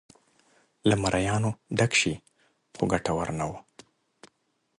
له مریانو ډک شي خو ګټور نه و.